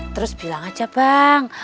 terus bilang aja bang